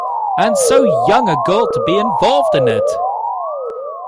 And so young a girl to be involved in it!